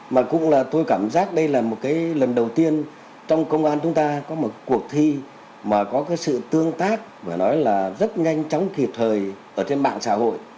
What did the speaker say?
mà cũng là tôi cảm giác đây là một cái lần đầu tiên trong công an chúng ta có một cuộc thi mà có cái sự tương tác và nói là rất nhanh chóng kịp thời ở trên mạng xã hội